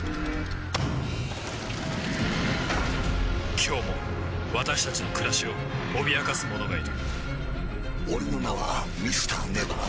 今日も私たちの暮らしを脅かすものがいる俺の名はＭｒ．ＮＥＶＥＲ。